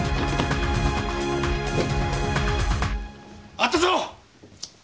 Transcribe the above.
あったぞ！